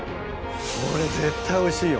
これ絶対おいしいよ。